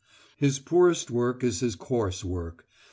His poorest work is his coarse work.